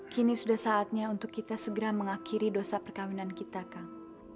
kini sudah saatnya untuk kita segera mengakhiri dosa perkawinan kita kang